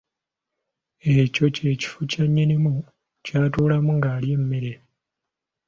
Ekyo kye kifo kya nnyinimu ky’atuulamu ng’alya emmere.